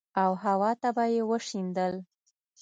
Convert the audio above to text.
او هوا ته به يې وشيندل.